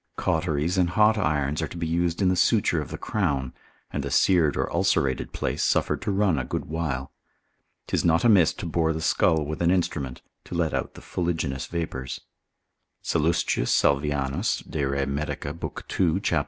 Cauteries and hot irons are to be used in the suture of the crown, and the seared or ulcerated place suffered to run a good while. 'Tis not amiss to bore the skull with an instrument, to let out the fuliginous vapours. Sallus. Salvianus de re medic. lib. 2. cap. 1.